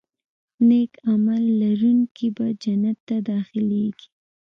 نیک عمل لرونکي به جنت ته داخلېږي.